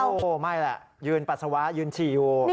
โอ้โหไม่แหละยืนปัสสาวะยืนฉี่อยู่